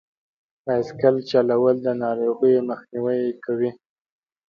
بایسکل چلول د ناروغیو مخنیوی کوي.